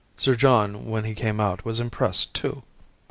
Sir John when he came out was impressed, too."